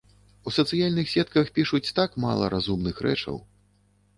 У сацыяльных сетках пішуць так мала разумных рэчаў.